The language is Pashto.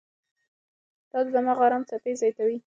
دا د دماغ ارام څپې زیاتوي.